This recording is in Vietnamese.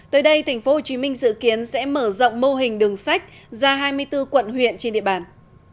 nguyễn văn bình dự kiến sẽ mở rộng mô hình đường sách ra hai mươi bốn quận huyện trên địa bàn